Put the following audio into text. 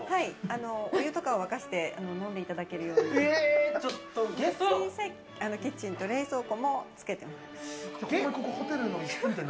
お湯とかを沸かして飲んでいただけるように、小さいキッチンと冷蔵庫もつけてます。